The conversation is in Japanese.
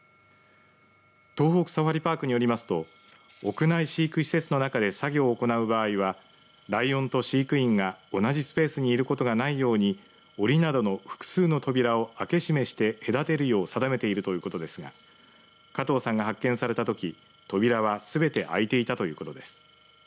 東北サファリパークによりますと屋内飼育施設の中で作業を行う場合はライオンと飼育員が同じスペースにいることがないようにおりなどの複数の扉を開け閉めして、隔てるよう定めているということですが加藤さんが発見されたとき扉はすべて開いていたということです。